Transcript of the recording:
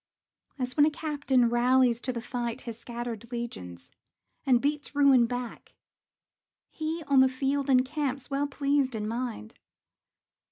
As when a captain rallies to the fight His scattered legions, and beats ruin back, He, on the field, encamps, well pleased in mind.